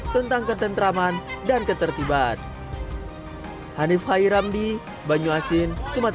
tentang ketentraman dan ketertiban